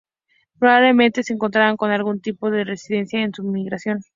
Probablemente se encontraran con algún tipo de resistencia en su migración.